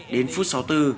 đến phút sáu mươi bốn